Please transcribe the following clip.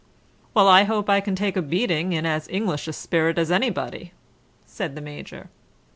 "Well, I hope I can take a beating in as English a spirit as anybody," said the Major.